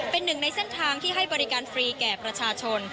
เป็นหนึ่งในเส้นทางที่ให้บริการฟรีแก่ประชาชน